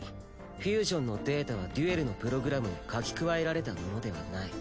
フュージョンのデータはデュエルのプログラムに書き加えられたものではない。